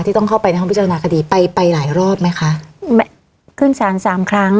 ต้องเข้าไปในห้องพิจารณาคดีไปไปหลายรอบไหมคะขึ้นสารสามครั้ง